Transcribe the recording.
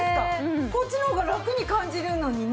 こっちの方がラクに感じるのにね。